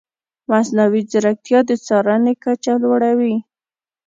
مصنوعي ځیرکتیا د څارنې کچه لوړه وي.